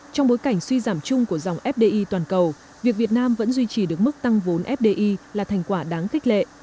trong bối cảnh suy giảm chung của dòng fdi toàn cầu việc việt nam vẫn duy trì được mức tăng vốn fdi là thành quả đáng khích lệ